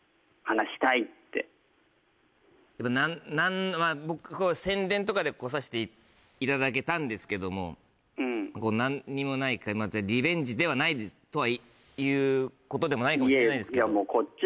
何僕こう宣伝とかで来させていただけたんですけどもうん何にもない回またリベンジではないとはいうことでもないかもしれないですけどいや